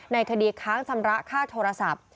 ในคดีค้างชำระค่าโทรศัพท์